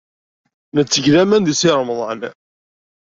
Netteg laman deg Si Remḍan.